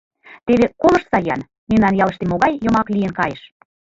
Теве колыштса-ян, мемнан ялыште могай йомак лийын кайыш.